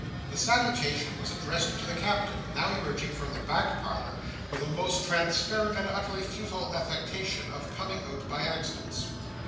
The salutation was addressed to the Captain, now emerging from the back parlour with a most transparent and utterly futile affectation of coming out by accidence.